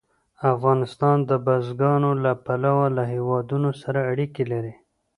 افغانستان د بزګانو له پلوه له هېوادونو سره اړیکې لري.